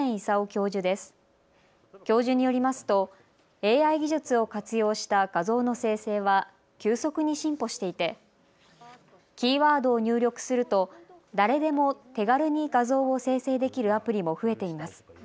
教授によりますとＡＩ技術を活用した画像の生成は急速に進歩していてキーワードを入力すると誰でも手軽に画像を生成できるアプリも増えています。